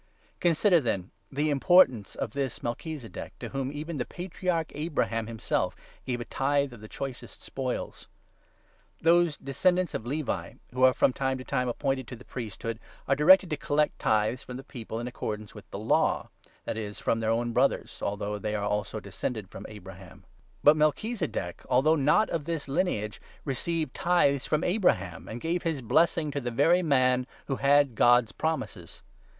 Consider, then, the importance of this Melchizedek, to whom 4 even the Patriarch Abraham himself gave a tithe of the choicest spoils. Those descendants of Levi, who are from time to 5 time appointed to the priesthood, are directed to collect tithes from the people in accordance with the Law— that is from their own Brothers, although they also are descended from Abraham. But Melchizedek, although not of this lineage, 6 received tithes from Abraham, and gave his blessing to the very man who had God's promises.